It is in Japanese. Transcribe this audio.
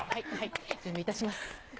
準備いたします。